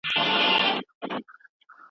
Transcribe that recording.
آیا پسرلنی باران د مني تر باران ګټور دی؟